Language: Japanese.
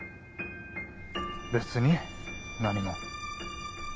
別に何も。